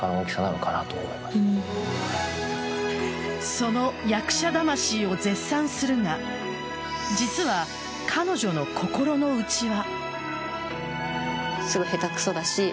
その役者魂を絶賛するが実は、彼女の心の内は。